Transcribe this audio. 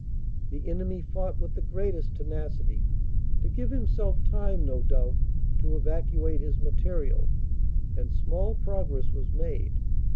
The enemy fought with the greatest tenacity, to give himself time no doubt to evacuate his material, and small progress was made.